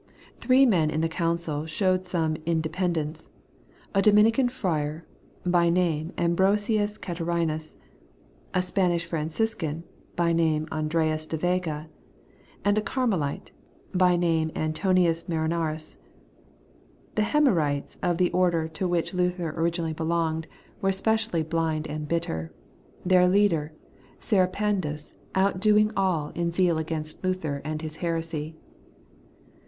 Three men in the Coimcil showed some inde pendence : a Dominican friar, by name Ambrosius Catarinus ; a Spanish Franciscan, by name Andreas de Vega; and a Carmelite, by name Antoninus Marinarus. The ' Heremites ' of the order to The Pardon and the Peace made mre, 159 which Luther originally belonged were especially blind and bitter, their leader Seripandus outdoing all in zeal against Luther and his heresy.